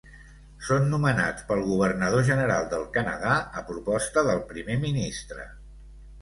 Són nomenats pel Governador General del Canadà a proposta del Primer Ministre.